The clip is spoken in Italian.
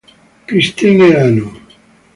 Christine Anu